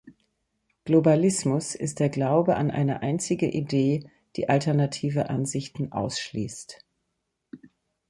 Globalismus ist der Glaube an eine einzige Idee, die alternative Ansichten ausschließt.